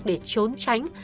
để trốn tránh